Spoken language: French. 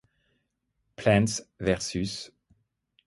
Plants vs.